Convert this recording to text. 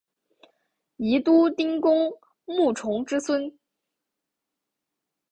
宜都丁公穆崇之孙。